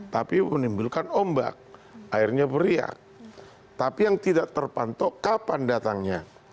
tapi yang tidak terpantau kapan datangnya